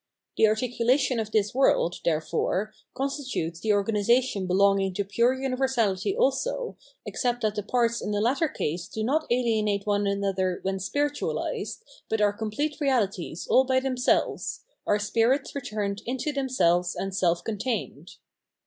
The articulation of this world, therefore, constitutes the organisation be longing to pure universahty also, except that the parts in the latter case do not alienate one another when spiritualised, but are complete reahties all by themselves, are spirits* returned into themselves and self contained.